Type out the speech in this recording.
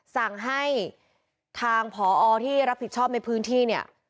สั่งให้ทางผอที่รับผิดชอบในพื้นที่เนี่ย